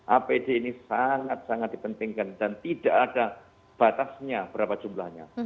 apd ini sangat sangat dipentingkan dan tidak ada batasnya berapa jumlahnya